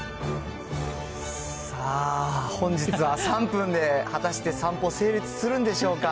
さあ、本日は３分で果たして散歩成立するんでしょうか。